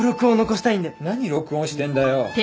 何録音してんだよ。